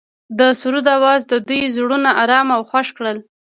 د سرود اواز د دوی زړونه ارامه او خوښ کړل.